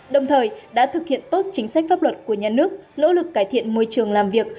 đồng thời đã thực hiện tốt chính sách pháp luật của nhà nước nỗ lực cải thiện môi trường làm việc